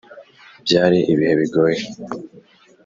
Byari ibihe bigoye!